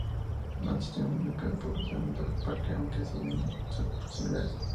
No existen núcleos de población dentro del parque, aunque sí en sus proximidades.